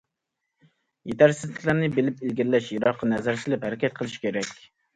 يېتەرسىزلىكلەرنى بىلىپ ئىلگىرىلەش، يىراققا نەزەر سېلىپ ھەرىكەت قىلىش كېرەك.